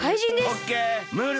オッケー！